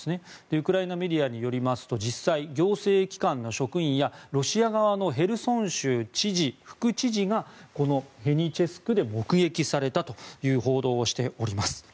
ウクライナメディアによりますと実際、行政機関の職員やロシア側のヘルソン州知事副知事がヘニチェスクで目撃されたという報道をしております。